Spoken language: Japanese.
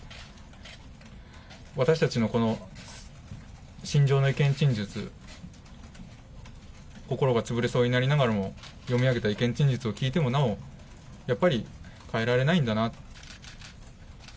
私たちのこの心情の意見陳述、心が潰れそうになりながらも読み上げた意見陳述を聞いてもなお、やっぱり変えられないんだなと。